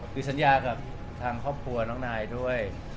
คือสัญญากับทางครอบครัวน้องนายด้วย